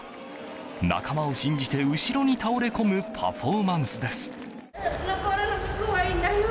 仲間を信じて後ろに倒れ込むパフォーマンスです。